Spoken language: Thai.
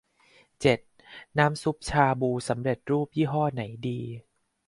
เจ็ด น้ำซุปชาบูสำเร็จรูป ยี่ห้อไหนดี